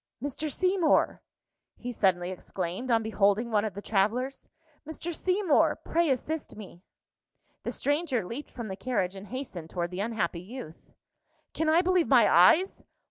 "Mr. Seymour!" he suddenly exclaimed, on beholding one of the travellers. "Mr. Seymour! Pray assist me." The stranger leaped from the carriage and hastened toward the unhappy youth. "Can I believe my eyes?